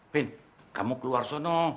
vin kamu keluar sono